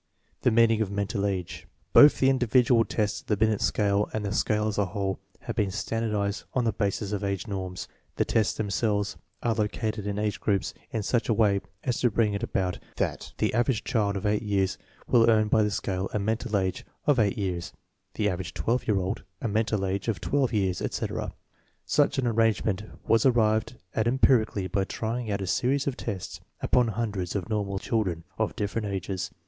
The meaning of mental age. Both the individual tests of the Binet scale and the scale as a whole have been standardized on the basis of age norms. The tests themselves are located in age groups in such a way as to bring it about that the average child of eight years will earn by the scale a "mental age" of eight years, the average twelve year old a "mental age" of twelve years, etc. Such an arrangement was arrived at empirically by trying out a series of tests upon hun dreds of normal children of different ages.